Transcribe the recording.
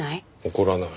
怒らない。